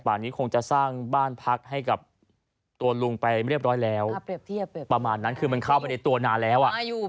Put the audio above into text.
ประมาณนั้นคือเข้าไปในตัวนานแล้ว